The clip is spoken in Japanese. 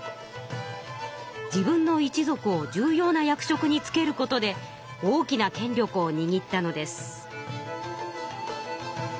自分の一族を重要な役職につけることで大きな権力をにぎったのです。